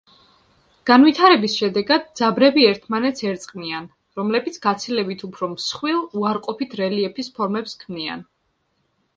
განვითარების შედეგად ძაბრები ერთმანეთს ერწყმიან, რომლებიც გაცილებით უფრო მსხვილ უარყოფით რელიეფის ფორმებს ქმნიან.